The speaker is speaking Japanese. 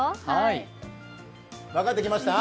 分かってきました？